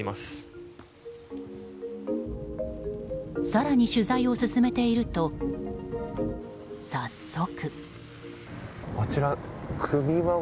更に取材を進めていると早速。